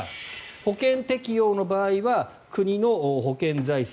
保険適用の場合は国の保険財政